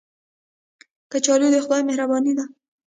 کچالو د خدای مهرباني ده